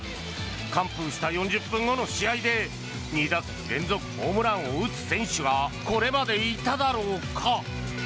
完封した４０分後の試合で２打席連続ホームランを打つ選手がこれまでいただろうか？